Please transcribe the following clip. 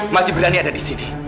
masih berani ada disini